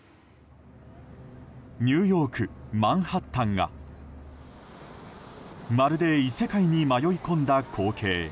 ニューヨーク・マンハッタンがまるで異世界に迷い込んだ光景。